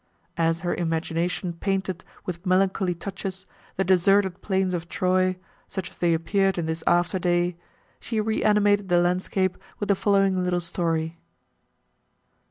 As her imagination painted with melancholy touches, the deserted plains of Troy, such as they appeared in this after day, she reanimated the landscape with the following little story.